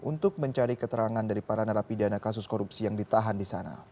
untuk mencari keterangan dari para narapidana kasus korupsi yang ditahan di sana